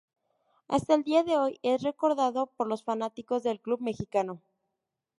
Hasta el día de hoy es recordado por los fanáticos del club mexicano.